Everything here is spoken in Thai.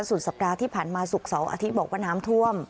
สุดสัปดาห์ที่ผ่านมาศุกร์เสาร์อาทิตย์บอกว่าน้ำท่วม